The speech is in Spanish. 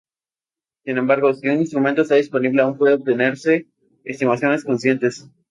Sin embargo, si un instrumento está disponible, aún puede obtenerse estimaciones consistentes.